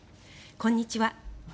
こんにちは。